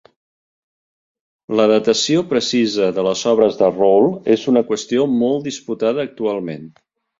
La datació precisa de les obres de Rolle és una qüestió molt disputada actualment.